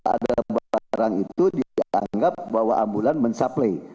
ada barang itu dianggap bahwa ambulan mensuplai